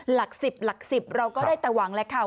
หลัก๑๐หลัก๑๐เราก็ได้แต่หวังแล้วค่ะ